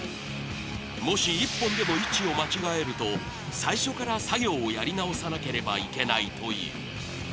もし一本でも位置を間違えると、最初から作業をやり直さなければいけないという。